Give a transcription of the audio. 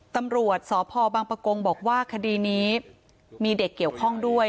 ตำรวจสพบังปะกงบอกว่าคดีนี้มีเด็กเกี่ยวข้องด้วย